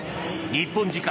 日本時間